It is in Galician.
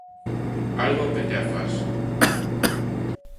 Algo ao que te afás.